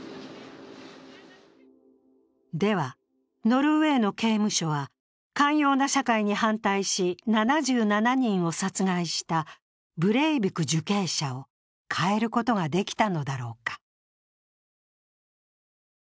では、ノルウェーの刑務所は寛容な社会に反対し、７７人を殺害したブレイビク受刑者を変えることができたのだろうか。